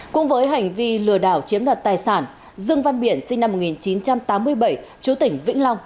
cũng với hành vi lừa đảo chiếm đoạt tài sản dương văn biển sinh năm một nghìn chín trăm tám mươi bảy chú tỉnh vĩnh long